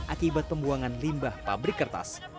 akibat pembuangan limbah pabrik kertas